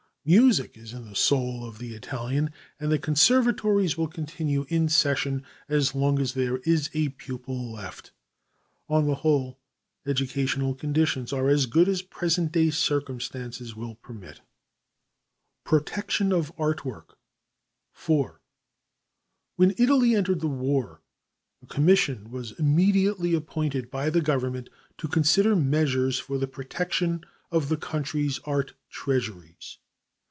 Music is in the soul of the Italian, and the conservatories will continue in session as long as there is a pupil left. On the whole, educational conditions are as good as present day circumstances will permit. [Illustration: TAKING DOWN THE HORSES OF ST. MARK'S, VENICE ITALIAN OFFICIAL PHOTOGRAPH] Protection of Art Work FOUR When Italy entered the war, a commission was immediately appointed by the Government to consider measures for the protection of the country's art treasuries.